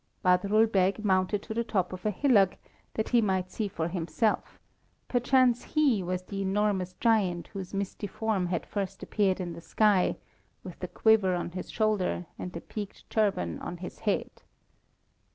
Badrul Beg mounted to the top of a hillock, that he might see for himself perchance he was the enormous giant whose misty form had first appeared in the sky, with the quiver on his shoulder and the peaked turban on his head.